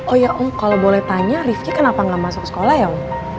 oh ya om kalau boleh tanya rifki kenapa nggak masuk sekolah ya om